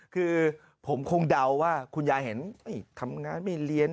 คือผมคงเดาว่าคุณยายเห็นทำงานไม่เรียน